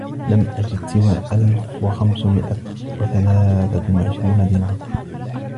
لم أجد سوى ألف وخمسمئة وثلاثة وعشرين دينارا.